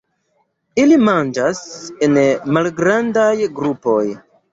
Ili manĝas en malgrandaj grupoj.